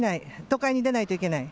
都会に出ないといけない。